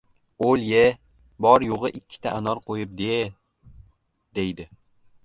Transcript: O‘l-ye, bor-yo‘g‘i ikkita anor qo‘yibdi-ye, deydi.